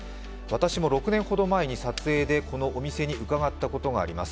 私も６年ほど前に撮影でこのお店に伺ったことがあります。